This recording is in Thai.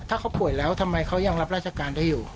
ถ้าเขาป่วยแล้วทำไมเขายังรับราชการได้อยู่